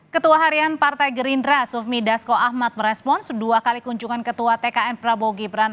ketua harian partai gerindra sufmi dasko ahmad merespons dua kali kunjungan ketua tkn prabowo gibran